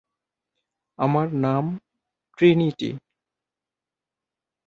আমার নাম ট্রিনিটি।